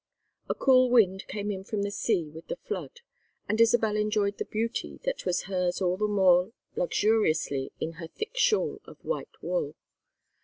A cool wind came in from the sea with the flood, and Isabel enjoyed the beauty that was hers all the more luxuriously in her thick shawl of white wool.